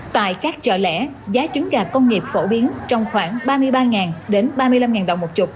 tại các chợ lẻ giá trứng gà công nghiệp phổ biến trong khoảng ba mươi ba đến ba mươi năm đồng một chục